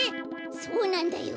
そうなんだよ。